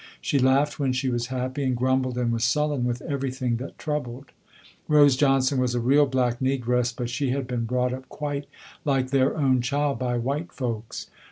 She laughed when she was happy and grumbled and was sullen with everything that troubled. Rose Johnson was a real black negress but she had been brought up quite like their own child by white folks.